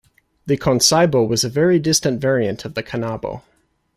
The konsaibo was a very distant variant of the kanabo.